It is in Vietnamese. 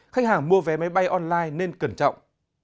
khách hàng mua vé máy bay online nên cẩn trọng